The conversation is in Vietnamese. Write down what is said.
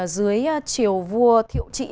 dưới chiều vua thiệu trị